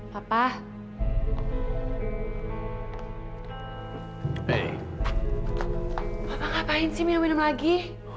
bapak mengapain si minum minum lagi